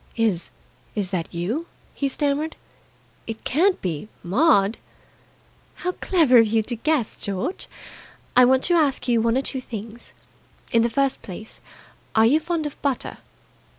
"Is is that you?" he stammered. "It can't be Maud!" "How clever of you to guess. George, I want to ask you one or two things. In the first place, are you fond of butter?"